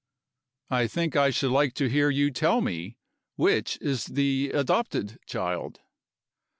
"I think I should like to hear you tell me, which is the adopted child."